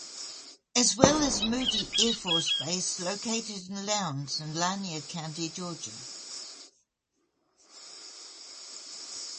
As well as Moody Air Force Base located in Lowndes and Lanier County, Georgia.